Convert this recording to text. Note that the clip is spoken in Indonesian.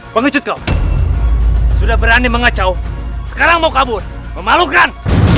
pengecut kok sudah berani mengacau sekarang mau kabur memalukan